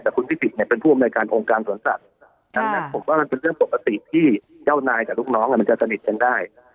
แต่คุณพิสิทธิเนี่ยเป็นผู้อำนวยการองค์การสวนสัตว์ดังนั้นผมว่ามันเป็นเรื่องปกติที่เจ้านายกับลูกน้องมันจะสนิทกันได้